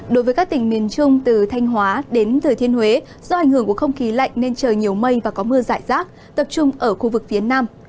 đối với các tỉnh miền trung từ thanh hóa đến thừa thiên huế do ảnh hưởng của không khí lạnh nên trời nhiều mây và có mưa rải rác tập trung ở khu vực phía nam